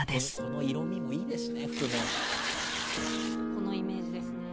このイメージですね。